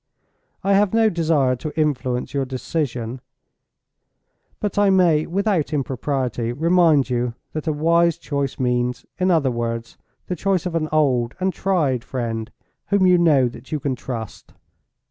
I have no desire to influence your decision; but I may, without impropriety, remind you that a wise choice means, in other words, the choice of an old and tried friend whom you know that you can trust."